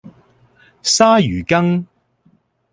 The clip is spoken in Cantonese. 鯊魚粳